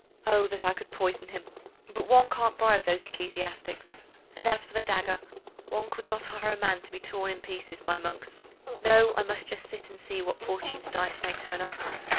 Oh, that I could poison him! But one can't bribe those ecclesiastics; and as for the dagger, one could not hire a man to be torn in pieces by monks. No; I must just sit still, and see what Fortune's dice may turn up.